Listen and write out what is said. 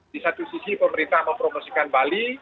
di satu sisi pemerintah mempromosikan bali